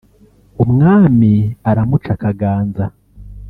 umwami aramuca akaganza